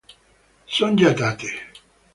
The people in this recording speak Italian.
Sonja Tate